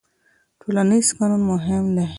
ټولنيز قانون مهم دی.